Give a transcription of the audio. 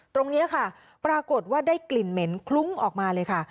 ตรงนี้ค่ะปรากฏว่าได้กลิ่นเหม็นคลุ้งออกมาเลยค่ะ